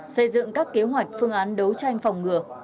xây dựng các kế hoạch phương án đấu tranh phòng ngừa